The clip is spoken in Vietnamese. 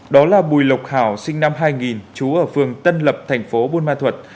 đó là bùi lộc hảo sinh năm hai nghìn chú ở phường tân lập thành phố quân ban thuật